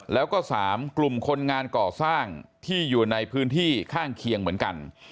แล้วก็๓กลุ่มคนงานก่อสร้างที่อยู่ในพื้นที่ข้างเคียงเหมือนกัน